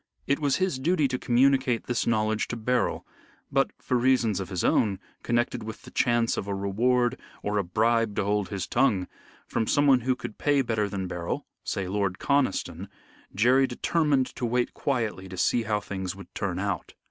It was his duty to communicate this knowledge to Beryl, but for reasons of his own connected with the chance of a reward or a bribe to hold his tongue, from someone who could pay better than Beryl say Lord Conniston Jerry determined to wait quietly to see how things would turn out.